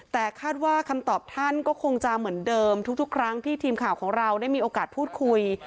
แต่คาดว่าคำตอบท่านก็คงจะเหมือนเดิมทุกครั้งที่ทีมข่าวของเราได้มีโอกาสพูดคุย